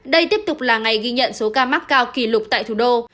đây tiếp tục là ngày ghi nhận số ca mắc cao kỷ lục tại thủ đô